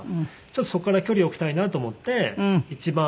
ちょっとそこから距離を置きたいなと思って一番